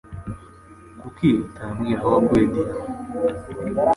Kuki utambwira aho wakuye diyama